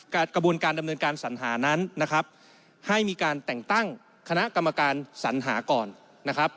กระบวนการดำเนินการสัญหานั้นนะครับให้มีการแต่งตั้งคณะกรรมการสัญหาก่อนนะครับ